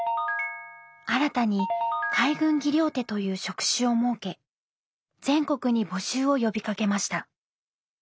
新たに海軍技療手という職種を設け全国に募集を呼びかけました。